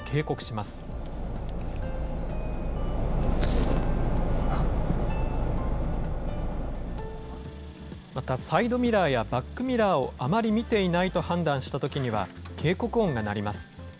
また、サイドミラーやバックミラーをあまり見ていないと判断したときには、警告音が鳴ります。